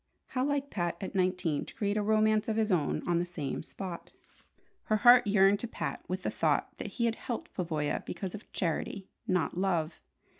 How like Pat at nineteen to create a romance of his own on the same spot! Her heart yearned to Pat with the thought that he had helped Pavoya because of charity, not love.